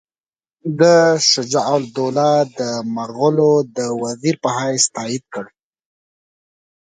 ده شجاع الدوله د مغولو د وزیر په حیث تایید کړ.